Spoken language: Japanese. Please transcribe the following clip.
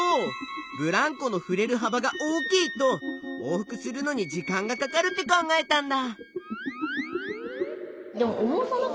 ブランコのふれる幅が大きいと往復するのに時間がかかるって考えたんだ。